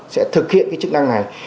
sẽ thực hiện cái chức năng này